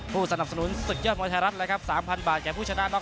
ผู้สนับสนุนศึกยอดมวยไทยรัฐเลยครับ๓๐๐บาทแก่ผู้ชนะน็อก